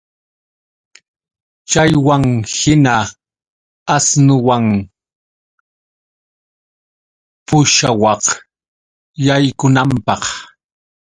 Chaywanhina asnuwan pushawaq yaykunanpaq